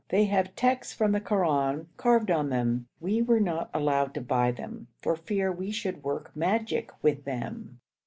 They have texts from the Koran carved on them. We were not allowed to buy them for fear we should work magic with them.